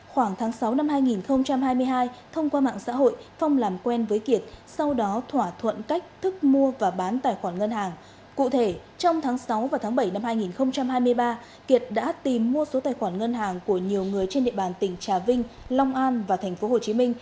khoảng tháng sáu năm hai nghìn hai mươi hai thông qua mạng xã hội phong làm quen với kiệt sau đó thỏa thuận cách thức mua và bán tài khoản ngân hàng cụ thể trong tháng sáu và tháng bảy năm hai nghìn hai mươi ba kiệt đã tìm mua số tài khoản ngân hàng của nhiều người trên địa bàn tỉnh trà vinh long an và tp hcm